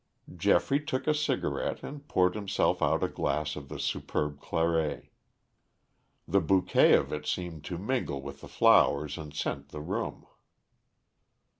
Geoffrey took a cigarette and poured himself out a glass of the superb claret. The bouquet of it seemed to mingle with the flowers and scent the room.